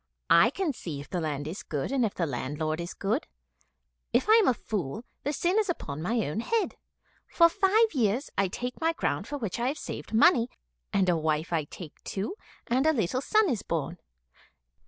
I can see if the land is good and if the landlord is good. If I am a fool, the sin is upon my own head. For five years I take my ground for which I have saved money, and a wife I take too, and a little son is born."